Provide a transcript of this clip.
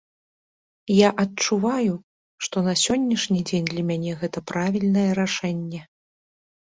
Я адчуваю, што на сённяшні дзень для мяне гэта правільнае рашэнне.